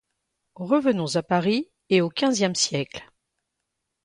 Revenons à Paris et au quinzième siècle.